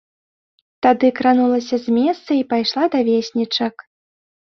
Тады кранулася з месца і пайшла да веснічак.